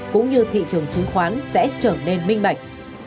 cũng như thị trường chứng khoán sẽ trở nên minh bạch